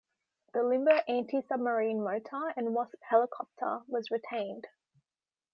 The Limbo anti-submarine mortar and Wasp helicopter was retained.